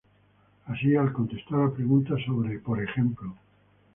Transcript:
Así, al contestar a preguntas sobre, p. ej.